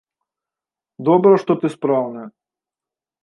Добра, што ты спраўны.